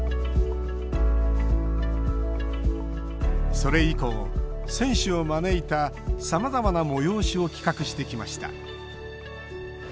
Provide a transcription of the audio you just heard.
それ以降、選手を招いたさまざまな催しを企画してきました。